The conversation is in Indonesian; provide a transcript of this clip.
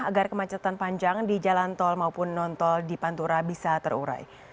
agar kemacetan panjang di jalan tol maupun non tol di pantura bisa terurai